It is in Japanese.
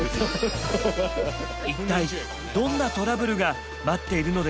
一体どんなトラブルが待っているのでしょうか？